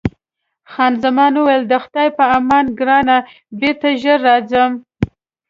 خان زمان وویل: د خدای په امان ګرانې، بېرته ژر راځم.